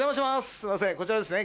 すいませんこちらですね？